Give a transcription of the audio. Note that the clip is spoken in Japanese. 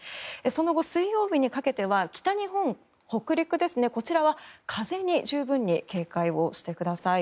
その後、水曜日にかけては北陸ですねこちらは風に十分に警戒をしてください。